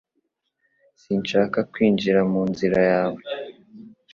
Sinshaka kwinjira mu nzira yawe